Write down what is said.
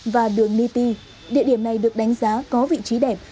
và đường niti địa điểm này được đánh giá có vị trí đẹp